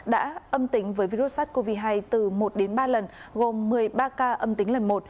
đã âm tính với virus sars cov hai từ một đến ba lần gồm một mươi ba ca âm tính lần một